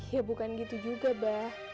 ya bukan gitu juga bah